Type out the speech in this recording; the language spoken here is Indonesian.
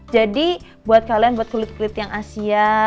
jadi buat kalian buat kulit kulit yang asia